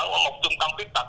ở một trung tâm viết tập